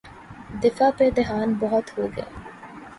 دفاع پہ دھیان بہت ہو گیا۔